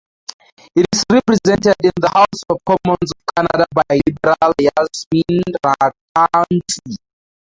It is represented in the House of Commons of Canada by Liberal Yasmin Ratansi.